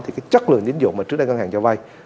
thì cái chất lượng tín dụng mà trước đây ngân hàng cho vay